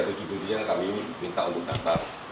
tujuh orang yang kami minta untuk datang